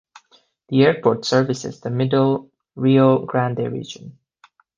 The airport services the Middle Rio Grande region.